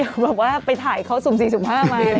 กลับว่าไปถ่ายเขาสูบสี่สูบห้าบ้าน